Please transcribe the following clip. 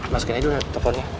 masukin aja dulu teleponnya